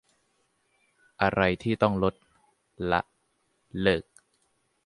อะไรที่ต้องลด ละ เลิก